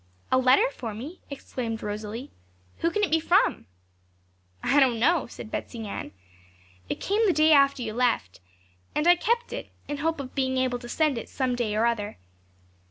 'A letter for me?' exclaimed Rosalie. 'Who can it be from?' 'I don't know,' said Betsey Ann. 'It came the day after you left, and I kept it, in hope of being able to send it some day or other.